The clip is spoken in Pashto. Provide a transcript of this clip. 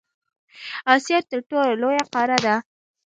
اسیا تر ټولو لویه قاره ده.